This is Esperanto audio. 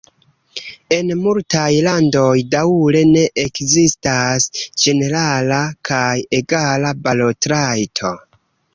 En multaj landoj daŭre ne ekzistas ĝenerala kaj egala balotrajto.